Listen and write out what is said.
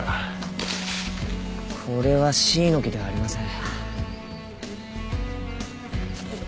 これはシイの木ではありません。